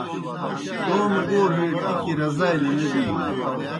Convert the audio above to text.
توموْ گوڙے ٹِکی رزالیْ نہ بِینیْ